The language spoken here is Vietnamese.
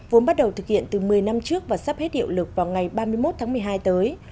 vốn bắt đầu thực hiện từ một mươi năm trước và sắp hết hiệu lực vào ngày ba mươi một tháng một mươi hai tới